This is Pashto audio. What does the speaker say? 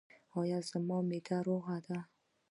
ایا زما معده روغه ده؟